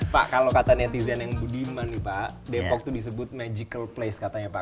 pak kalau kata netizen yang budiman nih pak depok itu disebut magical place katanya pak